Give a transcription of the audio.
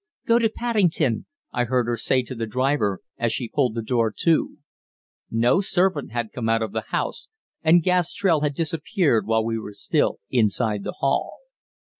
"Go to Paddington," I heard her say to the driver, as she pulled the door to. No servant had come out of the house, and Gastrell had disappeared while we were still inside the hall.